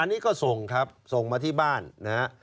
อันนี้ก็ส่งครับส่งมาที่บ้านนะฮะ